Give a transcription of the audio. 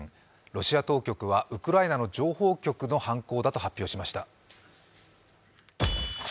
ロシア当局はウクライナの情報当局の犯行だと発表しました。